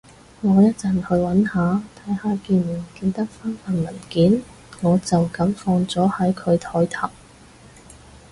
我一陣去搵下，睇下見唔見得返份文件，我就噉放咗喺佢枱頭